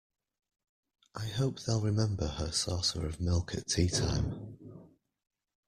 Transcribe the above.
I hope they’ll remember her saucer of milk at tea-time.